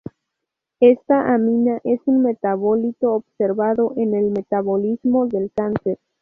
Esta amina es un metabolito observado en el metabolismo del cáncer.